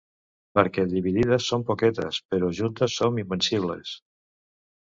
Perquè dividides som poquetes, però juntes som invencibles.